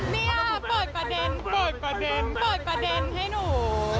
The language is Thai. นี่อ่ะเปิดประเด็นให้หนู